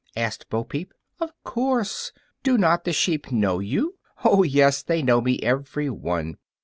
asked Bo Peep. "Of course; do not the sheep know you?" "Oh, yes; they know me every one."